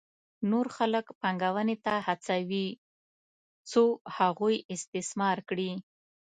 نور خلک پانګونې ته هڅوي څو هغوی استثمار کړي